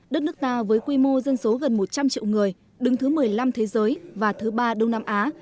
đất nước ta với quy mô dân số gần một trăm linh triệu người đứng thứ một mươi năm thế giới và thứ ba đông nam á